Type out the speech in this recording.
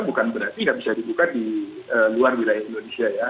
bukan berarti nggak bisa dibuka di luar wilayah indonesia ya